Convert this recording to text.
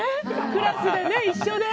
クラスで一緒で。